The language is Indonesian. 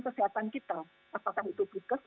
kita apakah itu dikes